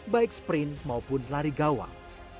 baik sprint maupun lari gawang